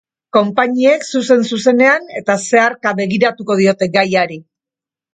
Konpainiek zuzen-zuzenean eta zeharka begiratuko diote gaiari.